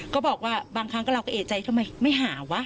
ก็บอกว่าบางครั้งก็เราก็เอกใจทำไมไม่หาวะ